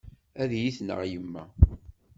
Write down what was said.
Ad iyi-tneɣ yemma.